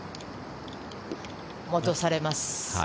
戻されます。